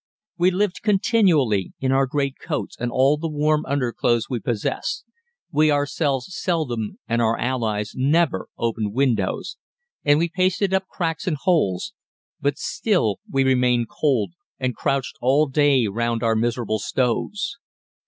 We lived continually in our great coats and all the warm underclothes we possessed; we ourselves seldom, and our allies never, opened windows, and we pasted up cracks and holes; but still we remained cold, and crouched all day round our miserable stoves.